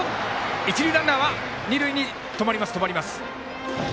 一塁ランナーは二塁で止まります。